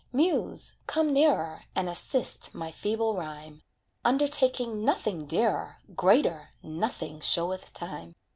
Muse, come nearer, And assist my feeble rhyme. Undertaking nothing dearer, Greater, nothing showeth time.